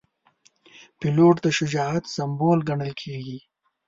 پیلوټ د شجاعت سمبول ګڼل کېږي.